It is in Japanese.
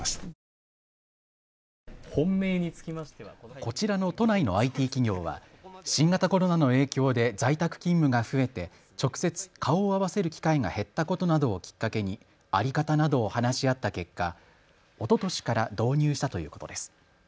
こちらの都内のＩＴ企業は新型コロナの影響で在宅勤務が増えて直接、顔を合わせる機会が減ったことなどをきっかけに在り方などを話し合った結果、おととしから導入したということです。